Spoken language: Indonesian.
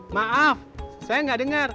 maaf saya gak dengar